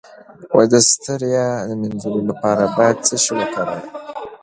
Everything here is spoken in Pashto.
د ستړیا د مینځلو لپاره باید څه شی وکاروم؟